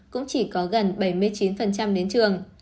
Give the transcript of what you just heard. cũng chỉ có gần bảy mươi chín đến trường